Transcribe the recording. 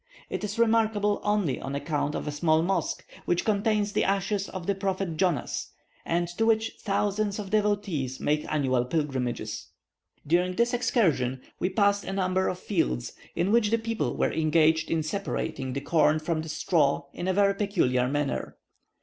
It is remarkable only on account of a small mosque, which contains the ashes of the prophet Jonas, and to which thousands of devotees make annual pilgrimages. During this excursion we passed a number of fields, in which the people were engaged in separating the corn from the straw in a very peculiar manner.